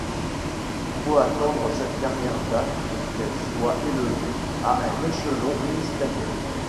Il faut attendre cette dernière date pour qu’elles soit élevée à un échelon ministériel.